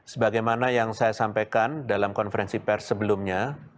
sebagaimana yang saya sampaikan dalam konferensi pers sebelumnya